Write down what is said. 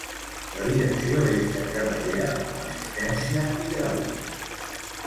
La direcció és de cremallera amb assistència hidràulica.